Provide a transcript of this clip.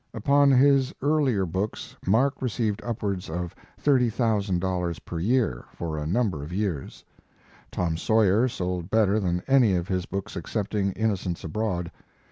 Upon his earlier books, Mark received upwards of $30,000 per year, for a num ber of years. "Tom Sawyer" sold better than any of his books excepting "Inno cents Abroad."